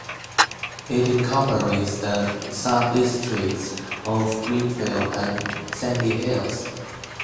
It incorporates the sub-districts of Greenfield and Sandyhills.